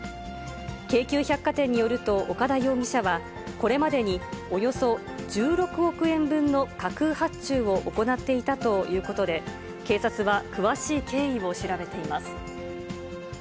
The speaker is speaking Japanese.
京急百貨店によると、岡田容疑者は、これまでにおよそ１６億円分の架空発注を行っていたということで、警察は詳しい経緯を調べています。